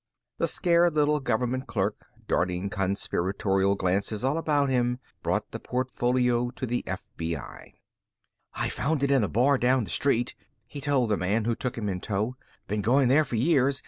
The scared little government clerk, darting conspiratorial glances all about him, brought the portfolio to the FBI. "I found it in a bar down the street," he told the man who took him in tow. "Been going there for years.